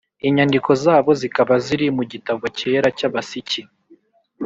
inyandiko zabo zikaba ziri mu gitabo cyera cy’abasiki